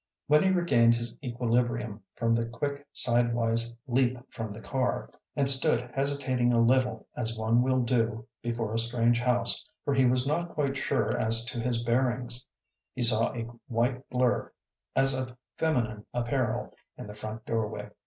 When he regained his equilibrium from the quick sidewise leap from the car, and stood hesitating a little, as one will do before a strange house, for he was not quite sure as to his bearings, he saw a white blur as of feminine apparel in the front doorway.